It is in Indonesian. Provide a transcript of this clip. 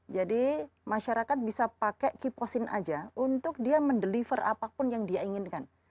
jadi masyarakat bisa pakai keep posin aja untuk dia mendeliver apapun yang dia inginkan